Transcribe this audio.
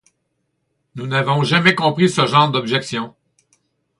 Nous n'avons jamais compris ce genre d'objections.